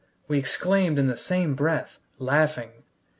we exclaimed in the same breath, laughing.